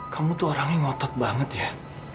kamu tuh orangnya ngotot banget ya